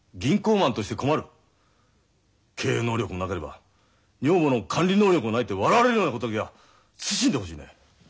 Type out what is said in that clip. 経営能力もなければ女房の管理能力もないって笑われるようなことだけは慎んでほしいね。